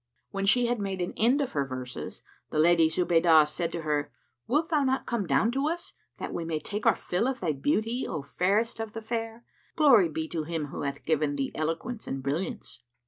"' When she had made an end of her verses, the Lady Zubaydah said to her, "Wilt thou not come down to us, that we may take our fill of thy beauty, O fairest of the fair? Glory be to Him who hath given thee eloquence and brilliance!"